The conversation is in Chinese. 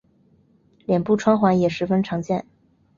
脸部穿环也十分常见。